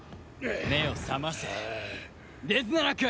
目を覚ませデズナラク！